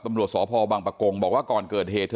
ตำรวจสพบังปะกงบอกว่าก่อนเกิดเหตุ